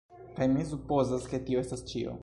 Kaj mi supozas ke tio estas ĉio.